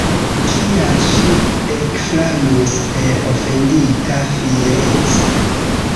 Kial ŝi ekflamis per ofendita fiereco?